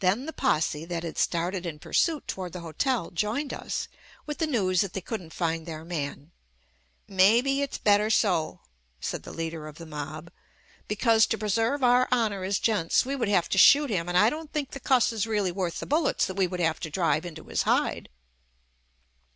Then the posse that had started in pursuit toward the hotel joined us with the news that they couldn't find their man. "Maybe it's bet ter so," said the leader of the mob, "because to preserve our honour as gents we would have to shoot him, and I don't think the cuss is really worth the bullets that we would have to drive JUST ME into his hide."